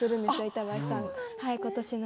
板橋さんと。